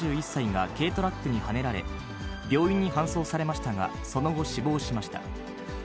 ７１歳が、軽トラックにはねられ、病院に搬送されましたが、その後、死亡しました。